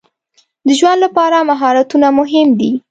د ژوند لپاره مهارتونه مهم دي.